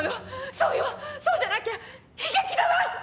そうよそうじゃなきゃ悲劇だわ！